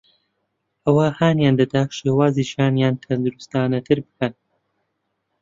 ئەوە هانیان دەدات شێوازی ژیانیان تەندروستانەتر بکەن